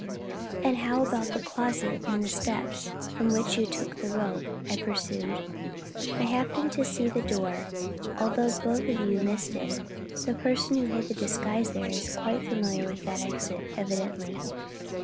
"And how about the closet in the steps, from which you took the robe?" I pursued. "I happened to see the door, although both of you missed it. The person who hid the disguise there is quite familiar with that exit, evidently.